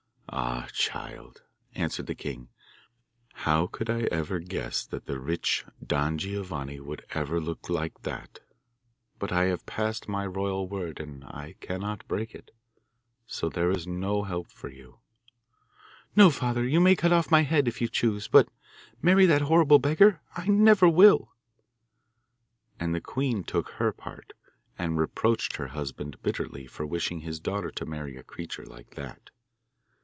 'Ah, child,' answered the king, 'how could I ever guess that the rich Don Giovanni would ever look like that? But I have passed my royal word, and I cannot break it, so there is no help for you.' 'No, father; you may cut off my head, if you choose, but marry that horrible beggar I never will!' And the queen took her part, and reproached her husband bitterly for wishing his daughter to marry a creature like that.